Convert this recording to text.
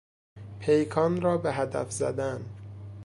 پیکان را به هدف زدن